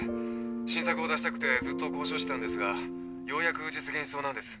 新作を出したくてずっと交渉してたんですがようやく実現しそうなんです。